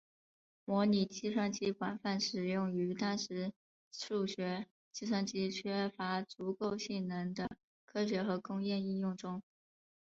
模拟计算机广泛用于当时数字计算机缺乏足够性能的科学和工业应用中。